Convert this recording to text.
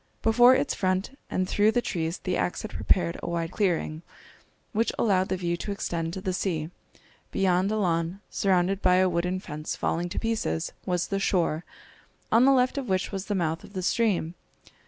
Before its front and through the trees the axe had prepared a wide clearing, which allowed the view to extend to the sea. Beyond a lawn, surrounded by a wooden fence falling to pieces, was the shore, on the left of which was the mouth of the stream.